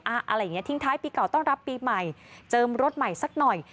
อะไรอย่างเงี้ทิ้งท้ายปีเก่าต้อนรับปีใหม่เจิมรถใหม่สักหน่อย